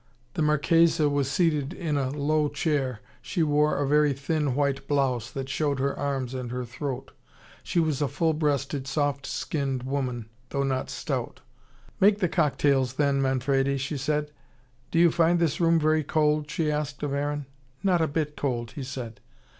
The Marchesa was seated in a low chair. She wore a very thin white blouse, that showed her arms and her throat. She was a full breasted, soft skinned woman, though not stout. "Make the cocktails then, Manfredi," she said. "Do you find this room very cold?" she asked of Aaron. "Not a bit cold," he said.